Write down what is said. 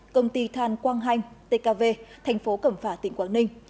công ty than quang hanh tkv thành phố cẩm phả tỉnh quảng ninh